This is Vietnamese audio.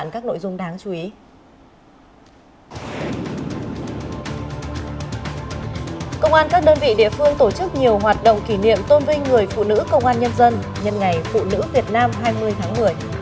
công an các đơn vị địa phương tổ chức nhiều hoạt động kỷ niệm tôn vinh người phụ nữ công an nhân dân nhân ngày phụ nữ việt nam hai mươi tháng một mươi